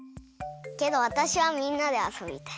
けどわたしはみんなであそびたい。